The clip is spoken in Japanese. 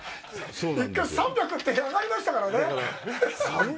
１回３００って上がりましたからね。